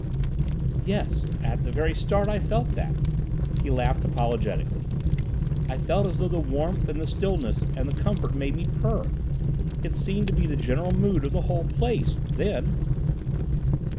"Yes. At the very start I felt that." He laughed apologetically. "I felt as though the warmth and the stillness and the comfort made me purr. It seemed to be the general mood of the whole place—then."